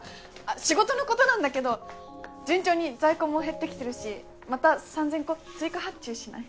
仕事のことなんだけど順調に在庫も減ってきてるしまた３０００個追加発注しない？